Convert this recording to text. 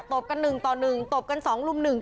ตบกันหนึ่งต่อหนึ่งตบกันสองรุมหนึ่ง